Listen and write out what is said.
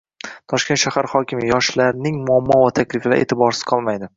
Toshkent shahar hokimi: yoshlarning muammo va takliflari e’tiborsiz qolmaydi